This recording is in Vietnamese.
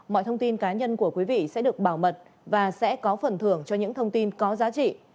mọi thông tin cá nhân của quý vị sẽ được bảo mật và sẽ có phần thưởng cho những thông tin có giá trị